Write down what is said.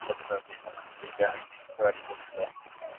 ambazo zinaweza kusababisha mapigano ikitoa ripoti za